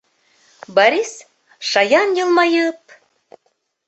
Борис, шаян йылмайып: